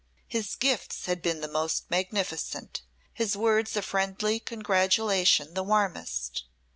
His gifts had been the most magnificent, his words of friendly gratulation the warmest.